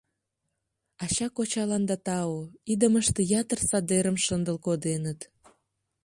Ача-кочаланда тау: идымыште ятыр садерым шындыл коденыт.